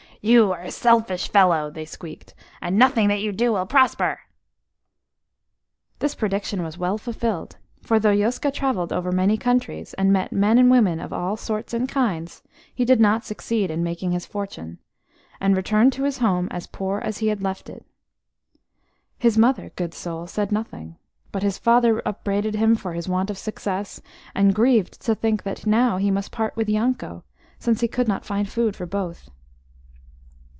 "You are a selfish fellow," they squeaked, "and nothing that you do will prosper." This prediction was well fulfilled, for though Yoska travelled over many countries, and met men and women of all sorts and kinds, he did not succeed in making his fortune, and returned to his home as poor as he had left it. His mother, good soul, said nothing, but his father upbraided him for his want of success, and grieved to think that now he must part with Yanko, since he could not find food for both.